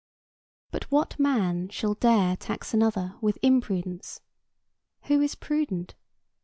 But what man shall dare tax another with imprudence? Who is prudent?